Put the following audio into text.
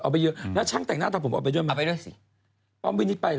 แล้วช่างแต่งหน้าตัวผมเอาไปด้วยหรอเอาไปด้วยสิ